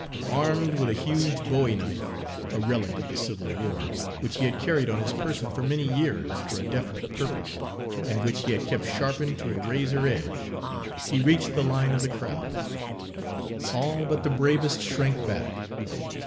Armed with a huge bowie knife, a relic of the civil war, which he had carried on his person for many years for a definite purpose, and which he had kept sharpened to a razor edge, he reached the line of the crowd. All but the bravest shrank back.